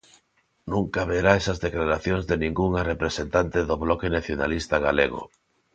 Nunca verá esas declaracións de ningunha representante do Bloque Nacionalista Galego.